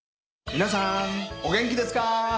皆さんお元気ですか？